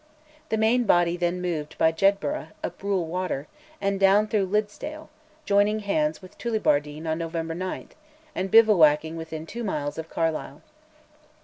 The main body then moved by Jedburgh, up Rule Water and down through Liddesdale, joining hands with Tullibardine on November 9, and bivouacking within two miles of Carlisle.